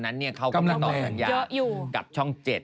แบบนั้นก็กำลังตอบสัญญากับช่องเจ็บ